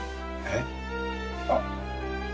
えっ？あっ。